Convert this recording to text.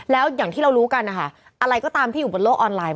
แล้วอย่างที่เรารู้กันนะคะอะไรก็ตามที่อยู่บนโลกออนไลน์